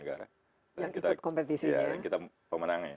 iya yang kita pemenangnya